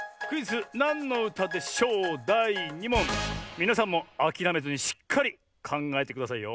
みなさんもあきらめずにしっかりかんがえてくださいよ。